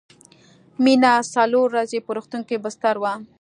مينه څلور ورځې په روغتون کې بستر وه